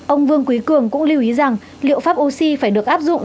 ông vương quý cường cũng lưu ý rằng liệu pháp oxy phải được áp dụng